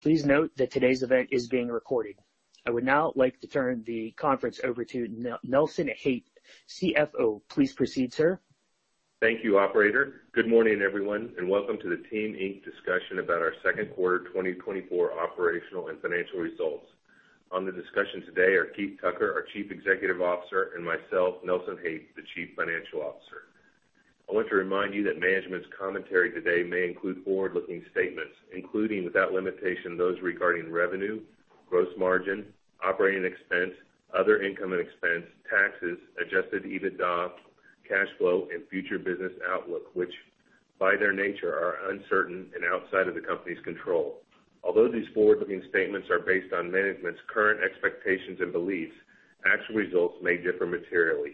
Please note that today's event is being recorded. I would now like to turn the conference over to Nelson Haight, CFO. Please proceed, sir. Thank you, operator. Good morning, everyone, and welcome to the Team, Inc. discussion about our second quarter 2024 operational and financial results. On the discussion today are Keith Tucker, our Chief Executive Officer, and myself, Nelson Haight, the Chief Financial Officer. I want to remind you that management's commentary today may include forward-looking statements, including, without limitation, those regarding revenue, gross margin, operating expense, other income and expense, taxes, Adjusted EBITDA, cash flow, and future business outlook, which, by their nature, are uncertain and outside of the company's control. Although these forward-looking statements are based on management's current expectations and beliefs, actual results may differ materially.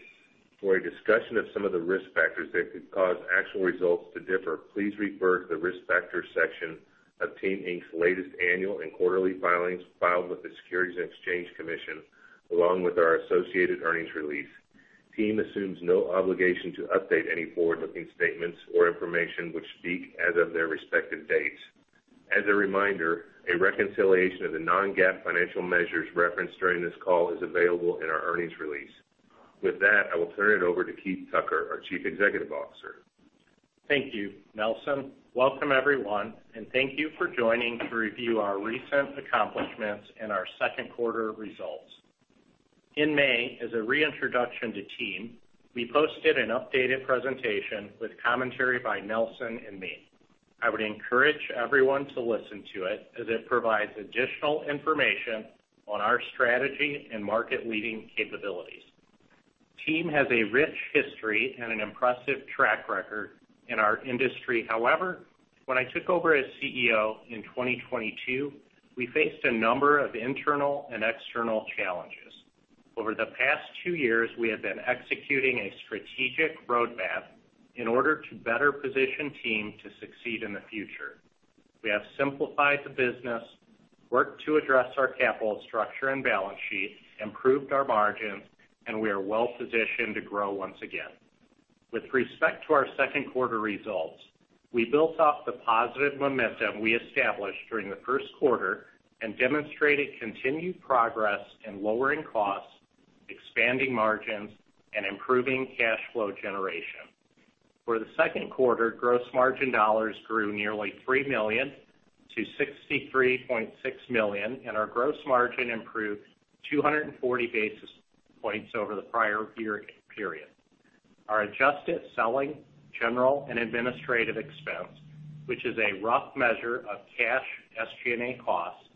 For a discussion of some of the risk factors that could cause actual results to differ, please refer to the Risk Factors section of Team, Inc.'s latest annual and quarterly filings filed with the Securities and Exchange Commission, along with our associated earnings release. Team assumes no obligation to update any forward-looking statements or information, which speak as of their respective dates. As a reminder, a reconciliation of the non-GAAP financial measures referenced during this call is available in our earnings release. With that, I will turn it over to Keith Tucker, our Chief Executive Officer. Thank you, Nelson. Welcome, everyone, and thank you for joining to review our recent accomplishments and our second quarter results. In May, as a reintroduction to Team, we posted an updated presentation with commentary by Nelson and me. I would encourage everyone to listen to it, as it provides additional information on our strategy and market-leading capabilities. Team has a rich history and an impressive track record in our industry. However, when I took over as CEO in 2022, we faced a number of internal and external challenges. Over the past two years, we have been executing a strategic roadmap in order to better position Team to succeed in the future. We have simplified the business, worked to address our capital structure and balance sheet, improved our margins, and we are well-positioned to grow once again. With respect to our second quarter results, we built off the positive momentum we established during the first quarter and demonstrated continued progress in lowering costs, expanding margins, and improving cash flow generation. For the second quarter, gross margin dollars grew nearly $3 million-$63.6 million, and our gross margin improved 240 basis points over the prior year period. Our adjusted selling, general, and administrative expense, which is a rough measure of cash SG&A costs,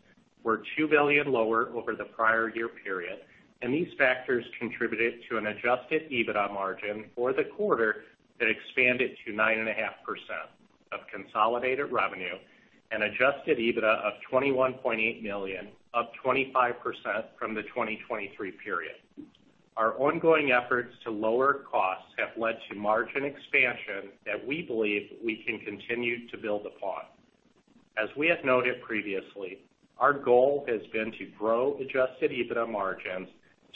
were $2 billion lower over the prior year period, and these factors contributed to an Adjusted EBITDA margin for the quarter that expanded to 9.5% of consolidated revenue and Adjusted EBITDA of $21.8 million, up 25% from the 2023 period. Our ongoing efforts to lower costs have led to margin expansion that we believe we can continue to build upon. As we have noted previously, our goal has been to grow Adjusted EBITDA margins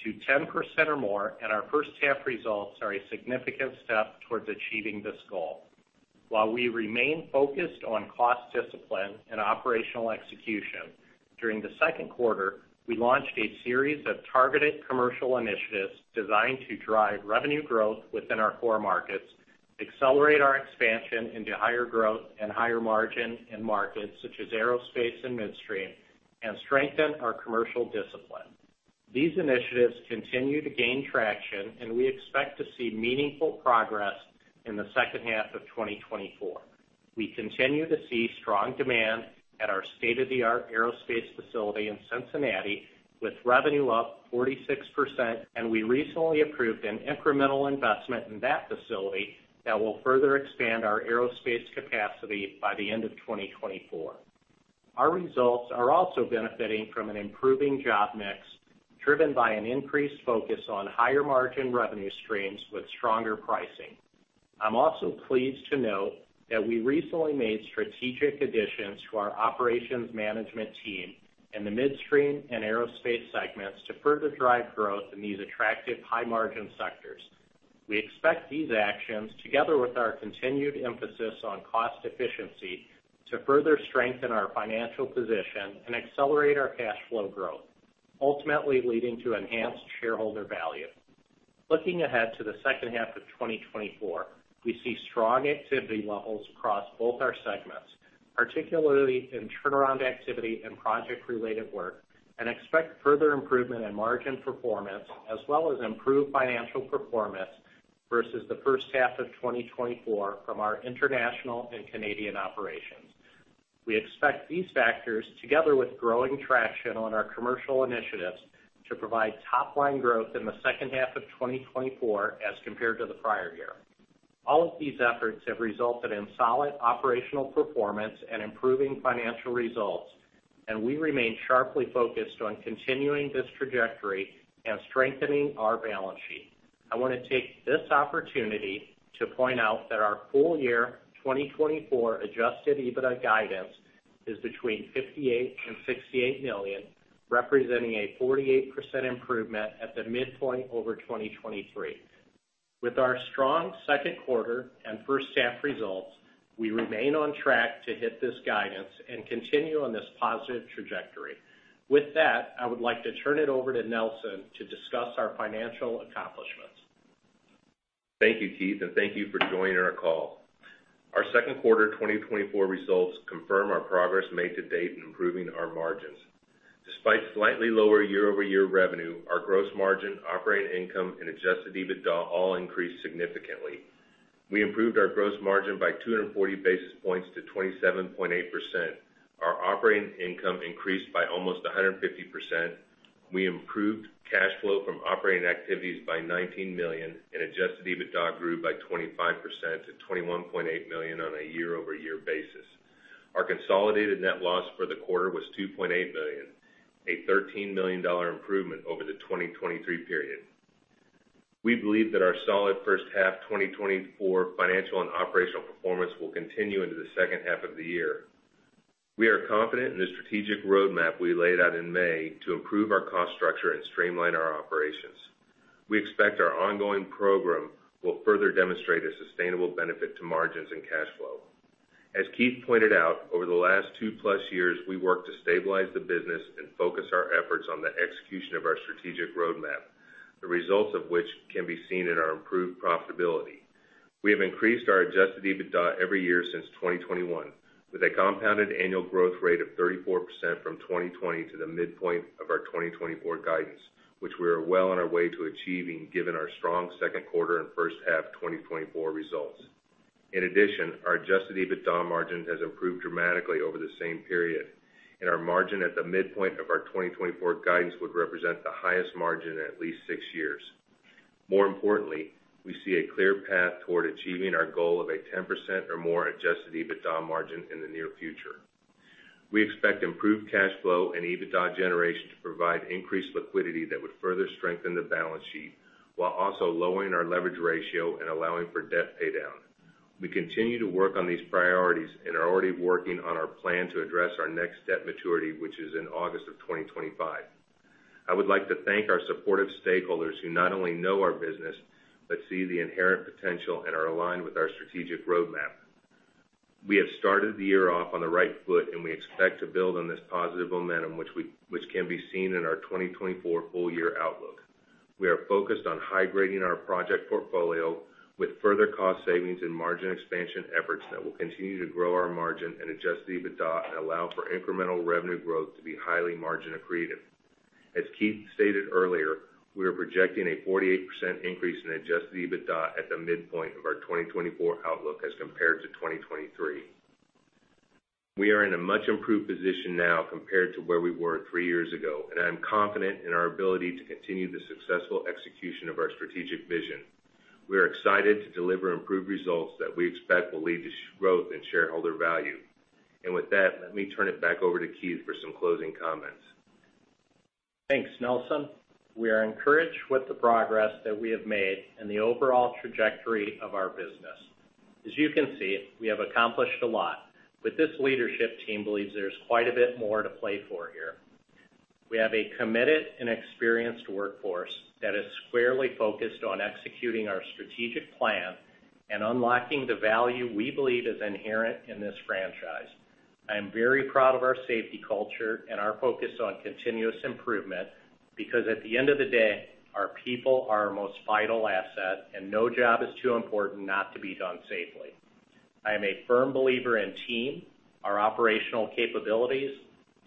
to 10% or more, and our first half results are a significant step towards achieving this goal. While we remain focused on cost discipline and operational execution, during the second quarter, we launched a series of targeted commercial initiatives designed to drive revenue growth within our core markets, accelerate our expansion into higher growth and higher margin in markets such as aerospace and midstream, and strengthen our commercial discipline. These initiatives continue to gain traction, and we expect to see meaningful progress in the second half of 2024. We continue to see strong demand at our state-of-the-art aerospace facility in Cincinnati, with revenue up 46%, and we recently approved an incremental investment in that facility that will further expand our aerospace capacity by the end of 2024. Our results are also benefiting from an improving job mix, driven by an increased focus on higher-margin revenue streams with stronger pricing. I'm also pleased to note that we recently made strategic additions to our operations management team in the midstream and aerospace segments to further drive growth in these attractive, high-margin sectors. We expect these actions, together with our continued emphasis on cost efficiency, to further strengthen our financial position and accelerate our cash flow growth, ultimately leading to enhanced shareholder value. Looking ahead to the second half of 2024, we see strong activity levels across both our segments, particularly in turnaround activity and project-related work, and expect further improvement in margin performance, as well as improved financial performance versus the first half of 2024 from our international and Canadian operations. We expect these factors, together with growing traction on our commercial initiatives, to provide top-line growth in the second half of 2024 as compared to the prior year. All of these efforts have resulted in solid operational performance and improving financial results, and we remain sharply focused on continuing this trajectory and strengthening our balance sheet. I want to take this opportunity to point out that our full year 2024 Adjusted EBITDA guidance is between $58 million and $68 million, representing a 48% improvement at the midpoint over 2023. With our strong second quarter and first half results, we remain on track to hit this guidance and continue on this positive trajectory. With that, I would like to turn it over to Nelson to discuss our financial accomplishments. Thank you, Keith, and thank you for joining our call. Our second quarter 2024 results confirm our progress made to date in improving our margins. Despite slightly lower year-over-year revenue, our gross Margin, operating income, and Adjusted EBITDA all increased significantly. We improved our gross margin by 240 basis points to 27.8%. Our operating income increased by almost 150%. We improved cash flow from operating activities by $19 million, and Adjusted EBITDA grew by 25% to $21.8 million on a year-over-year basis. Our consolidated net loss for the quarter was $2.8 billion, a $13 million improvement over the 2023 period. We believe that our solid first half 2024 financial and operational performance will continue into the second half of the year. We are confident in the strategic roadmap we laid out in May to improve our cost structure and streamline our operations. We expect our ongoing program will further demonstrate a sustainable benefit to margins and cash flow. As Keith pointed out, over the last two-plus years, we worked to stabilize the business and focus our efforts on the execution of our strategic roadmap, the results of which can be seen in our improved profitability. We have increased our Adjusted EBITDA every year since 2021, with a compounded annual growth rate of 34% from 2020 to the midpoint of our 2024 guidance, which we are well on our way to achieving, given our strong second quarter and first half 2024 results. In addition, our adjusted EBITDA margin has improved dramatically over the same period, and our margin at the midpoint of our 2024 guidance would represent the highest margin in at least six years. More importantly, we see a clear path toward achieving our goal of a 10% or more adjusted EBITDA margin in the near future. We expect improved cash flow and EBITDA generation to provide increased liquidity that would further strengthen the balance sheet, while also lowering our leverage ratio and allowing for debt paydown. We continue to work on these priorities and are already working on our plan to address our next debt maturity, which is in August of 2025. I would like to thank our supportive stakeholders who not only know our business, but see the inherent potential and are aligned with our strategic roadmap. We have started the year off on the right foot, and we expect to build on this positive momentum, which can be seen in our 2024 full year outlook. We are focused on high-grading our project portfolio with further cost savings and margin expansion efforts that will continue to grow our margin and adjusted EBITDA and allow for incremental revenue growth to be highly margin accretive. As Keith stated earlier, we are projecting a 48% increase in adjusted EBITDA at the midpoint of our 2024 outlook as compared to 2023. We are in a much improved position now compared to where we were three years ago, and I am confident in our ability to continue the successful execution of our strategic vision. We are excited to deliver improved results that we expect will lead to growth and shareholder value. With that, let me turn it back over to Keith for some closing comments. Thanks, Nelson. We are encouraged with the progress that we have made and the overall trajectory of our business. As you can see, we have accomplished a lot, but this leadership team believes there's quite a bit more to play for here. We have a committed and experienced workforce that is squarely focused on executing our strategic plan and unlocking the value we believe is inherent in this franchise. I am very proud of our safety culture and our focus on continuous improvement, because at the end of the day, our people are our most vital asset, and no job is too important not to be done safely. I am a firm believer in Team, our operational capabilities,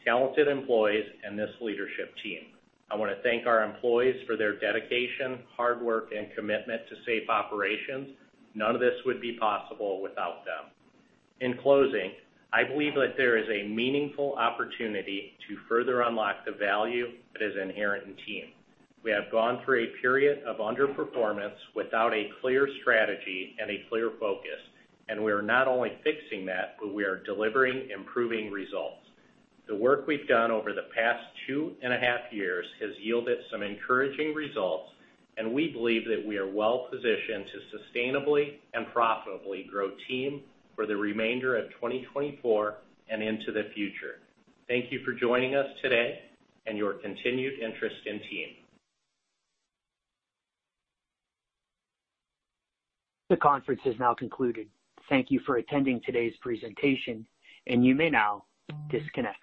talented employees, and this leadership team. I want to thank our employees for their dedication, hard work, and commitment to safe operations. None of this would be possible without them. In closing, I believe that there is a meaningful opportunity to further unlock the value that is inherent in Team. We have gone through a period of underperformance without a clear strategy and a clear focus, and we are not only fixing that, but we are delivering improving results. The work we've done over the past two and a half years has yielded some encouraging results, and we believe that we are well positioned to sustainably and profitably grow Team for the remainder of 2024 and into the future. Thank you for joining us today and your continued interest in Team. The conference is now concluded. Thank you for attending today's presentation, and you may now disconnect.